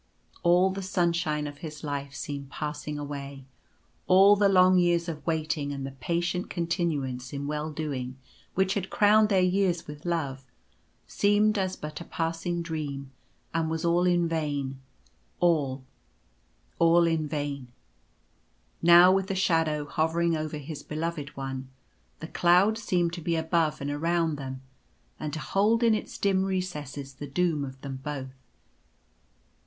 All the sunshine of his life seemed passing away. All the long years of waiting and the patient continuance in well doing which had crowned their years with love, seemed as but a passing dream, and was all in vain — all, all in vain. Now with the shadow hovering over his Beloved One, the cloud seemed to be above and around them, and to hold in its dim recesses the doom of them both.